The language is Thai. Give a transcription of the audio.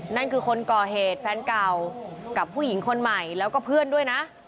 นั่นคือคนก่อเหตุแฟนเก่ากับผู้หญิงคนใหม่แล้วก็เพื่อนด้วยนะ